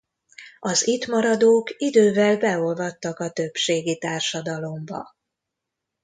Az itt maradók idővel beolvadtak a többségi társadalomba.